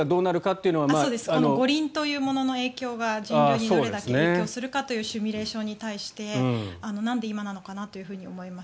五輪というものの影響が人流にどれだけ影響するかというシミュレーションに対してなんで今なのかなと思います。